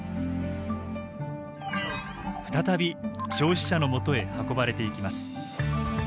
再び消費者のもとへ運ばれていきます。